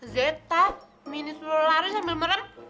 zeta minya selalu lari sambil meren